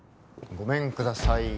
ごめんください